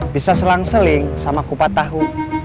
bisa selang seling sama kupat tahu